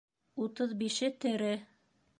Утыҙ бише тере.